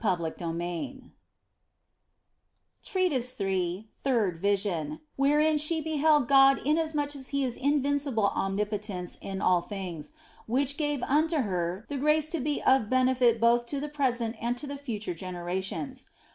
OF FOLIGNO 171 THIRD VISION, WHEREIN SHE BEHELD GOD INASMUCH AS HE IS INVINCIBLE OMNIPOTENCE IN ALL THINGS, WHICH GAVE UNTO HER THE GRACE TO BE OF BENEFIT BOTH TO THE PRESENT AND TO THE FUTURE GENERA TIONS.